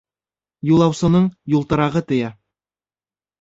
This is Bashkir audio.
Юлаусының юлтырағы тейә.